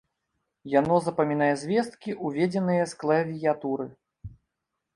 Яно запамінае звесткі, уведзеныя з клавіятуры.